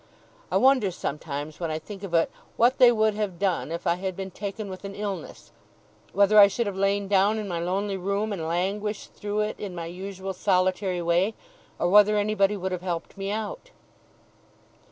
I wonder sometimes, when I think of it, what they would have done if I had been taken with an illness; whether I should have lain down in my lonely room, and languished through it in my usual solitary way, or whether anybody would have helped me out.